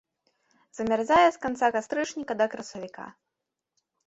Замярзае з канца кастрычніка да красавіка.